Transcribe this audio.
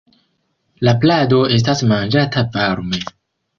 La plado estas manĝata varme.